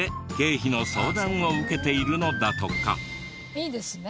いいですね。